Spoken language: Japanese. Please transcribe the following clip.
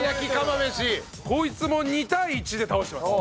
こいつも２対１で倒します。